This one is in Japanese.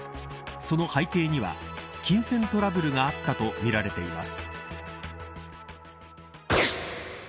その背景には金銭トラブルがあったとみられています。